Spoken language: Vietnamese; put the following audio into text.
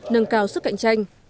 nâng cao sức cạnh tranh